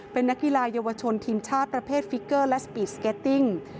เป็นนักกีฬาเยาวชนทีมชาติประเภทฟิกเกอร์และสปีดสเก็ตติ้ง